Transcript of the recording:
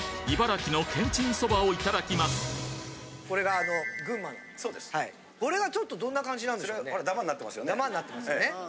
これはちょっとどんな感じなんでしょうね。